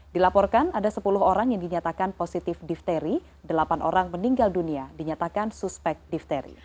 dilaporkan ada sepuluh orang yang dinyatakan positif difteri delapan orang meninggal dunia dinyatakan suspek difteri